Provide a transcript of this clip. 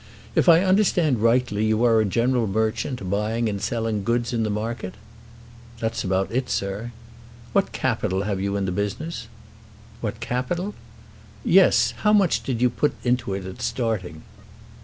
If I understand rightly you are a general merchant, buying and selling goods in the market?" "That's about it, sir." "What capital have you in the business?" "What capital?" "Yes; how much did you put into it at starting?"